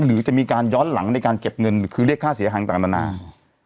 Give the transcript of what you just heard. หรือจะมีการย้อนหลังในการเก็บเงินหรือคือเรียกค่าเสียหายต่างนานา